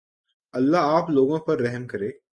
اللہ آپ لوگوں پر رحم کرے